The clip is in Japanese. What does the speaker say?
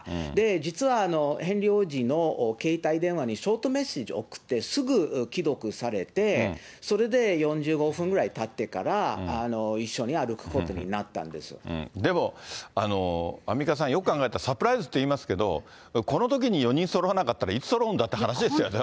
実はヘンリー王子の携帯電話にショートメッセージ送ってすぐ既読されて、それで４５分ぐらいたってから、一緒に歩くことになったでも、アンミカさん、よく考えたらサプライズっていいますけど、このときに４人そろわなかったらいつそろうんだって話ですよね。